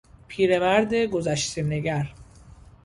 پیرمرد گذشتهنگر